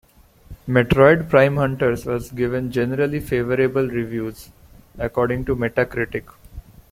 "Metroid Prime Hunters" was given "generally favorable" reviews, according to Metacritic.